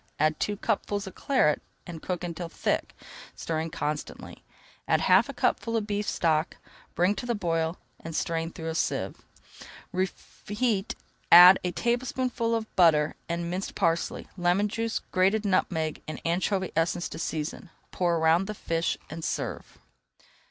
Add two cupfuls of Claret and cook until thick, stirring constantly. Add half a cupful of beef stock, bring to the boil, and strain through a sieve. Reheat, add a tablespoonful of butter, and minced parsley, lemon juice, grated nutmeg, and anchovy essence to season. Pour around the fish and serve.